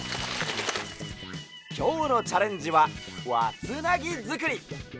きょうのチャレンジはわつなぎづくり！